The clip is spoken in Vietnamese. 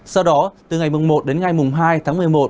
sau đó từ ngày một đến ngày mùng hai tháng một mươi một